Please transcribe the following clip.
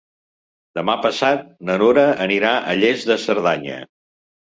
Demà passat na Nura anirà a Lles de Cerdanya.